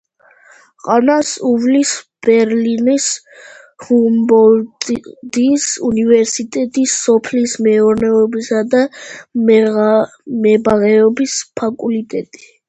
ყანას უვლის ბერლინის ჰუმბოლდტის უნივერსიტეტის სოფლის მეურნეობისა და მებაღეობის ფაკულტეტი.